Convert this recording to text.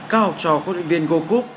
các học trò quân luyện viên goku